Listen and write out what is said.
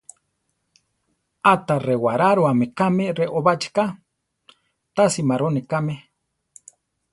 Áta rewaráruame kame reobachi ká, ta simaroni kame.